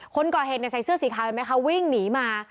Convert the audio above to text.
คนก่อเหตุใส่เสื้อสีขาวเห็นไหมคะวิ่งหนีมา